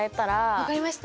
分かりました！